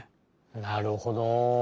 なるほど！